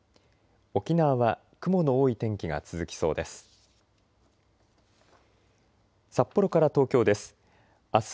沖縄は雲の多い天気が続きそうです。